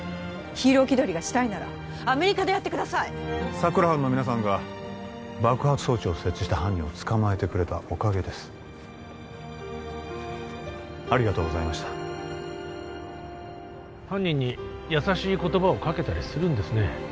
ヒーロー気取りがしたいならアメリカでやってください佐久良班の皆さんが爆発装置を設置した犯人を捕まえてくれたおかげですありがとうございました犯人に優しい言葉をかけたりするんですね